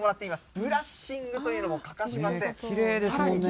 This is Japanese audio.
ブラッシングというのも欠かしまきれいですもんね。